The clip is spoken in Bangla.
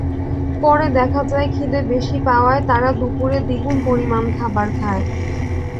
পরে দেখা যায়, খিদে বেশি পাওয়ায় তারা দুপুরে দ্বিগুণ পরিমাণ খাবার খায়।